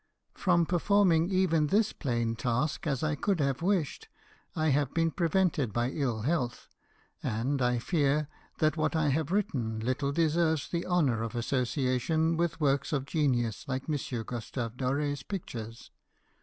From performing even this plain task as I could have wished I have been prevented by ill health, and I fear that what I have written little deserves the honour of association with works of genius like M. GUSTAVE DORE'S pictures.